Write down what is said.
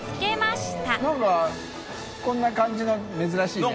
淵劵蹈漾何かこんな感じの珍しいね。